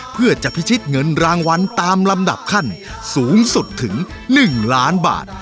เพื่อจะพิชิตเงินรางวัลตามลำดับขั้นสูงสุดถึง๑ล้านบาท